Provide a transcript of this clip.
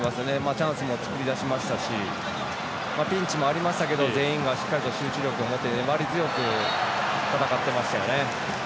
チャンスも作り出しましたしピンチもありましたけど全員がしっかりと集中力を持って粘り強く戦っていましたよね。